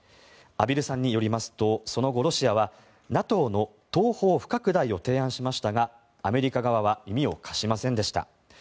畔蒜さんによりますとその後、ロシアはＮＡＴＯの東方不拡大を提案しましたがアメリカ側は耳を貸しませんでした。